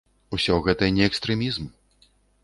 Усё гэта не экстрэмізм.